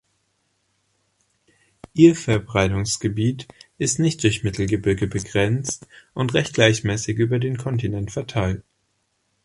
Ihr Verbreitungsgebiet ist nicht durch Mittelgebirge begrenzt und recht gleichmäßig über den Kontinent verteilt.